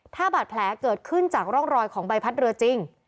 ถ้าบาดแผลเกิดขึ้นจากร่องรอยของใบพัดเรือจริง